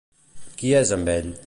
Qui és amb ell?